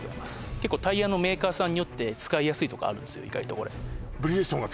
結構タイヤのメーカーさんによって使いやすいとかあるんですよ